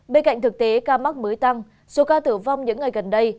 bên cạnh thực tế ca mắc mới tăng số ca tử vong những ngày gần đây